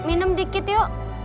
minum dikit yuk